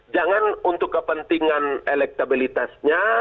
jangan untuk kepentingan elektabilitasnya